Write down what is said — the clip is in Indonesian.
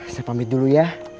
saya pamit dulu ya